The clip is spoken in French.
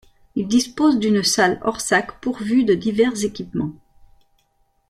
Il dispose d'une salle hors-sac pourvue de divers équipements.